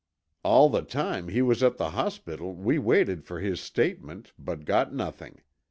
All the time he was at the hospital we waited for his statement, but got nothing.